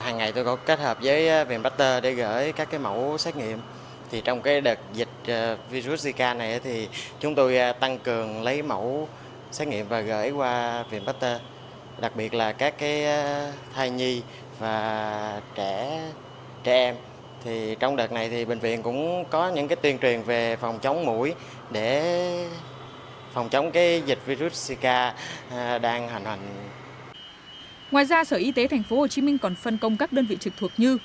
ngoài ra sở y tế thành phố hồ chí minh còn phân công các đơn vị trực thuộc như